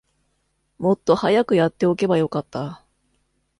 もっと早くやっておけばよかった